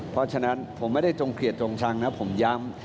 เพราะฉะนั้นผมไม่ได้จงเกลียดจงชังนะผมย้ำ